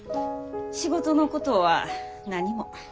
仕事のことは何も。